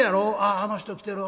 あの人来てる。